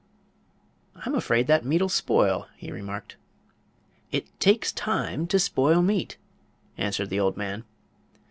"I'm afraid that meat'll spoil," he remarked. "It takes Time to spoil meat," answered the old man.